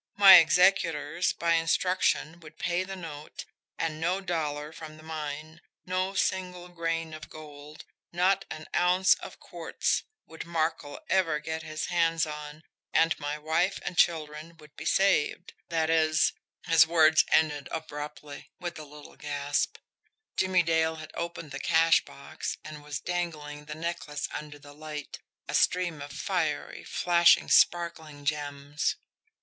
My executors, by instruction would pay the note and no dollar from the mine, no single grain of gold, not an ounce of quartz, would Markel ever get his hands on, and my wife and children would be saved. That is " His words ended abruptly with a little gasp. Jimmie Dale had opened the cash box and was dangling the necklace under the light a stream of fiery, flashing, sparkling gems.